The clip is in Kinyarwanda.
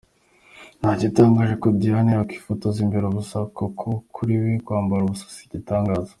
Nta gitangaje ko Diane yakwifotoza yambaye ubusa kuko kuri we kwambara ubusa si igitangaza.